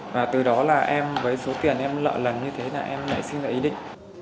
và từ đó là em với số tiền em lợi lần như thế là em lại xin ra ý định